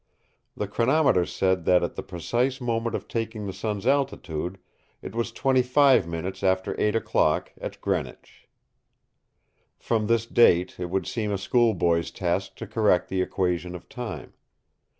The chronometer said that at the precise moment of taking the sun's altitude it was twenty five minutes after eight o'clock at Greenwich. From this date it would seem a schoolboy's task to correct the Equation of Time.